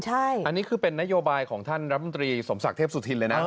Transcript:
อันนี้คือเป็นนโยบายของท่านรัฐมนตรีสมศักดิ์เทพสุธินเลยนะ